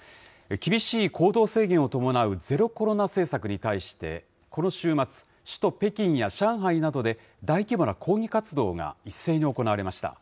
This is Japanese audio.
厳しい行動制限を伴うゼロコロナ政策に対して、この週末、首都北京や上海などで、大規模な抗議活動が一斉に行われました。